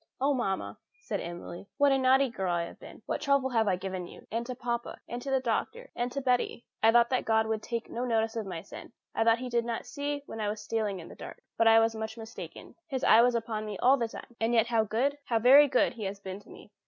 "Oh, mamma," said Emily, "what a naughty girl have I been! What trouble have I given to you, and to papa, and to the doctor, and to Betty! I thought that God would take no notice of my sin. I thought He did not see when I was stealing in the dark. But I was much mistaken. His eye was upon me all the time. And yet how good, how very good, He has been to me!